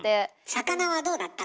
魚はどうだった？